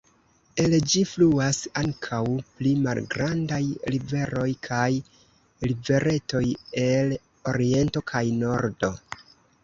El ĝi fluas ankaŭ pli malgrandaj riveroj kaj riveretoj el oriento kaj nordo.